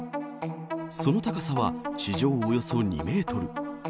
その高さは地上およそ２メートル。